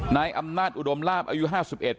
นายอำนาจอุดมลาบอายุห้าสิบเอ็ด